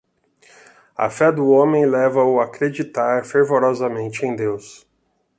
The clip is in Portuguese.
a fé do homem leva-o a acreditar fervorosamente em deus